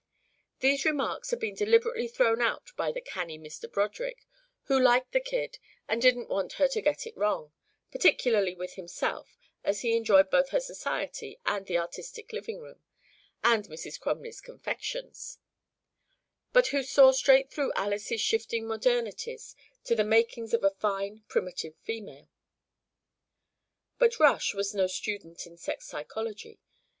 These remarks had been deliberately thrown out by the canny Mr. Broderick, who liked "the kid" and didn't want her to "get in wrong" (particularly with himself as he enjoyed both her society and the artistic living room and Mrs. Crumley's confections) but who saw straight through Alys' shifting modernities to the makings of a fine primitive female. But Rush was no student in sex psychology.